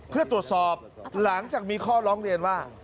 เพื่อตรวจสอบหลังจากมีข้อร้องเรียนว่า